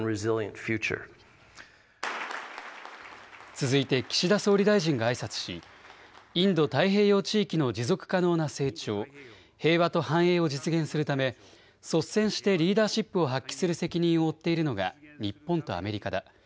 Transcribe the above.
続いて岸田総理大臣があいさつしインド太平洋地域の持続可能な成長、平和と繁栄を実現するため率先してリーダーシップを発揮する責任を負っているのが日本とアメリカだ。